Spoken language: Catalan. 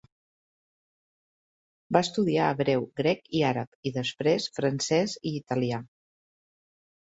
Va estudiar hebreu, grec i àrab, i després francès i italià.